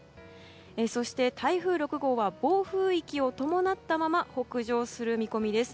そして、台風６号は暴風域を伴ったまま北上する見込みです。